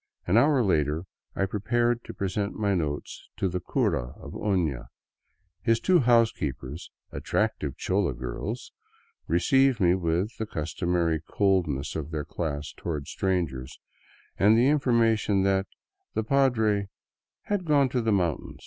An hour later I prepared to present my note to the cura of Ofia. His two housekeepers, attractive chola girls, received me with the customary coldness of their class toward strangers, and the information that the padre " had gone to the mountain."